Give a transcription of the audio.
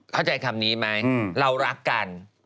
เข้าใจคำนี้ไหมเรารักกัน